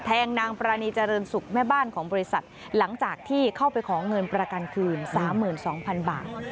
นางปรานีเจริญสุขแม่บ้านของบริษัทหลังจากที่เข้าไปขอเงินประกันคืน๓๒๐๐๐บาท